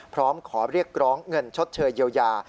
พร้อมขอเรียกร้องเงินชดเชยเยียวยา